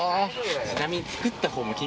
ちなみに。